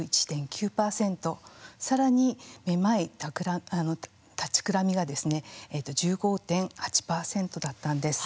更にめまいたちくらみがですね１５．８％だったんです。